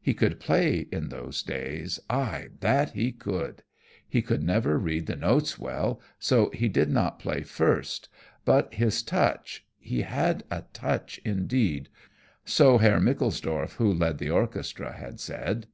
He could play in those days, ay, that he could! He could never read the notes well, so he did not play first; but his touch, he had a touch indeed, so Herr Mikilsdoff, who led the orchestra, had said.